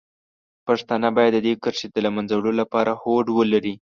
پښتانه باید د دې کرښې د له منځه وړلو لپاره هوډ ولري.